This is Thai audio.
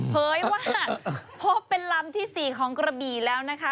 เผยว่าพบเป็นลำที่๔ของกระบี่แล้วนะคะ